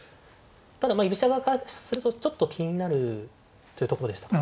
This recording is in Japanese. ただ居飛車側からするとちょっと気になるというところでしたか。